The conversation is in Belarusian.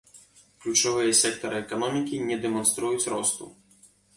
Ключавыя сектары эканомікі не дэманструюць росту.